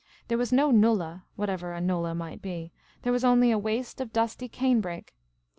There was no nullah (whatever a nullah may be), there was only a waste of dusty cane brake.